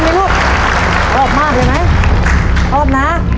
ว้าว